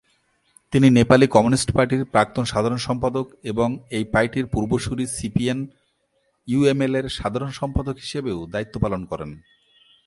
তিনি নেপালি কমিউনিস্ট পার্টির প্রাক্তন সাধারণ সম্পাদক এবং এই পার্টির পূর্বসূরি সিপিএন-ইউএমএলের সাধারণ সম্পাদক হিসাবেও দায়িত্ব পালন করেন।